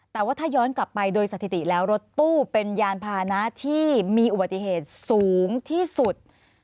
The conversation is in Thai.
แต่ว่าถ้าย้อนกลับไปโดยสถิติแล้วรถตู้เป็นยานพานะที่มีอุบัติเหตุสูงที่สุด